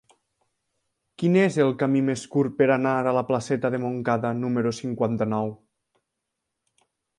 Quin és el camí més curt per anar a la placeta de Montcada número cinquanta-nou?